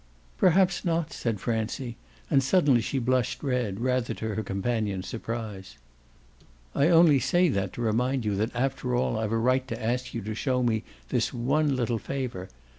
"Perhaps not," said Francie; and suddenly she blushed red, rather to her companion's surprise. "I only say that to remind you that after all I've a right to ask you to show me this one little favour.